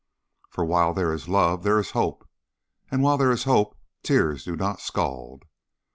For while there is love there is hope, and while there is hope tears do not scald.